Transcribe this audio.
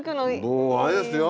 もうあれですよ